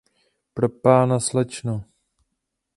Propána, slečno!